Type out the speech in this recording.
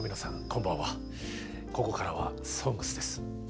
こんばんはここからは「ＳＯＮＧＳ」です。